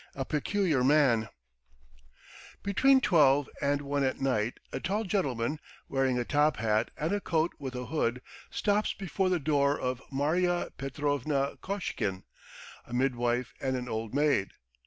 A PECULIAR MAN BETWEEN twelve and one at night a tall gentleman, wearing a top hat and a coat with a hood, stops before the door of Marya Petrovna Koshkin, a midwife and an old maid.